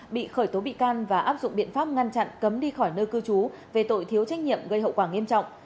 bị khởi tố bị can và áp dụng biện pháp ngăn chặn cấm đi khỏi nơi cư trú về tội thiếu trách nhiệm gây hậu quả nghiêm trọng